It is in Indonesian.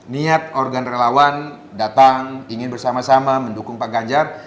niat organ relawan datang ingin bersama sama mendukung pak ganjar